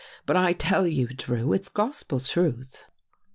But I tell you. Drew, it's gos pel truth."